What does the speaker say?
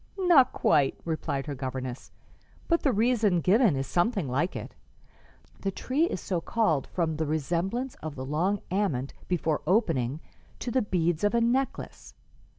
"Not quite," replied her governess, "but the reason given is something like it. The tree is so called from the resemblance of the long ament, before opening, to the beads of a necklace.